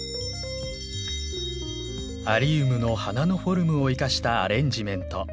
アリウムの花のフォルムを生かしたアレンジメント。